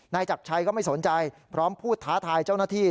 จักรชัยก็ไม่สนใจพร้อมพูดท้าทายเจ้าหน้าที่